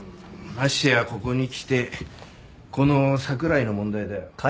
ましてやここにきてこの櫻井の問題だよ。